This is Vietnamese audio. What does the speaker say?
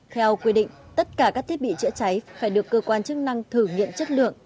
theo quy định tất cả các thiết bị chữa cháy phải được cơ quan chức năng thử nghiệm chất lượng